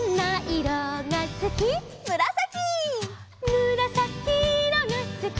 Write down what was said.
「むらさきいろがすき」